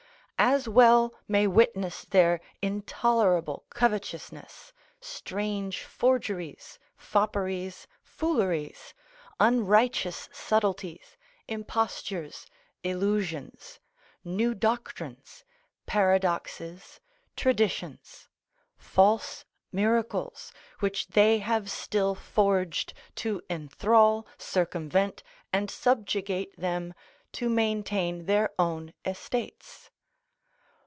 As well may witness their intolerable covetousness, strange forgeries, fopperies, fooleries, unrighteous subtleties, impostures, illusions, new doctrines, paradoxes, traditions, false miracles, which they have still forged, to enthral, circumvent and subjugate them, to maintain their own estates.